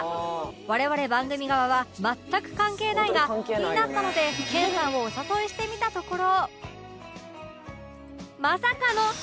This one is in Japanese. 我々番組側は全く関係ないが気になったので研さんをお誘いしてみたところ